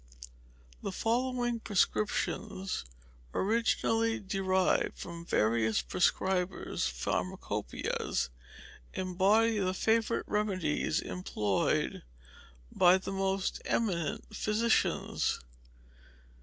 The following prescriptions, originally derived from various prescribers' Pharmacopoeias, embody the favourite remedies employed by the most eminent physicians: 1.